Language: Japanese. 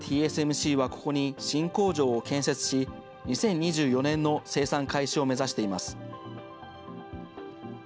ＴＳＭＣはここに新工場を建設し、２０２４年の生産開始を目指しています。